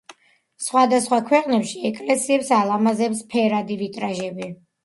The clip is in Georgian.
სხვადასხვა ქვეყნებში ეკლესიებს ალამაზებს ფერადი ვიტრაჟები.